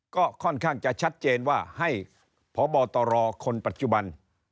ก็ค่อนข้างจะชัดเจนว่าให้พบตรคนปัจจุบัน